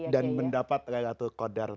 dan mendapat laylatul qadar